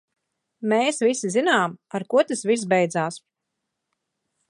Mēs visi zinām, ar ko tas viss beidzās.